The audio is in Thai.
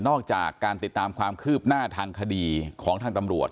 จากการติดตามความคืบหน้าทางคดีของทางตำรวจ